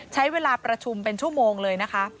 ใช้เวลาประชุมเป็นชั่วโมงเลยนะคะ